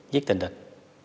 giết tình địch